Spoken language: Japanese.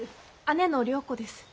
姉の良子です。